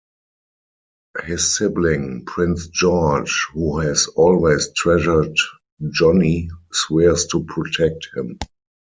His sibling, Prince George, who has always treasured Johnnie, swears to protect him.